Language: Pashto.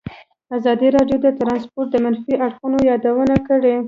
ازادي راډیو د ترانسپورټ د منفي اړخونو یادونه کړې.